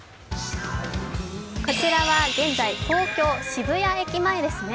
こちらは現在、東京・渋谷駅前ですね。